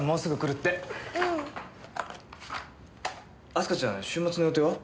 明日香ちゃん週末の予定は？